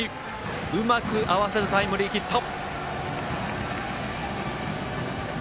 うまく合わせたタイムリーヒット。